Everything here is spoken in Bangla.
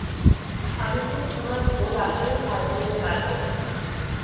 আমি কিন্তু তোমার ভোল আসলেই পাল্টে দিতে পারবো।